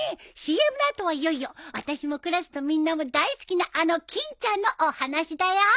ＣＭの後はいよいよあたしもクラスのみんなも大好きなあの欽ちゃんのお話だよ！